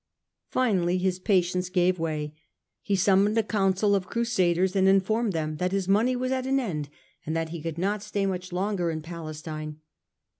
Finally his patience gave way. He summoned a council of Crusaders, and informed them that his money was at an end and that he could not stay much longer in Palestine.